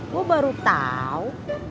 gua baru tau